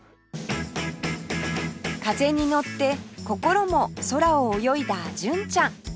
風にのって心も空を泳いだ純ちゃん